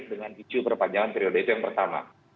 dengan isu perpanjangan periode itu yang pertama